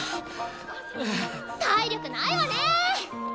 体力ないわね。